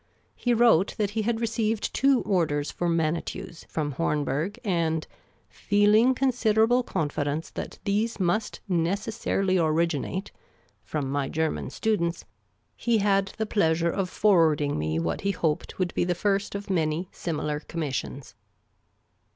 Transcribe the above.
He wrote that he had received two orders for M an i tons from Hornberg ; and " feehng considerable confidence that these must necessarily originate" from my German students, he had the pleasure of forwarding me what he hoped would be the first of many similar conunissions.